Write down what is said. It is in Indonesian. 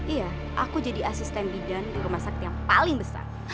iya aku jadi asisten bidan di rumah sakit yang paling besar